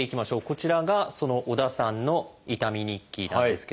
こちらがその織田さんの「痛み日記」なんですけども。